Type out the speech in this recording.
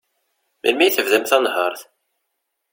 Melmi i tebdamt tanhert?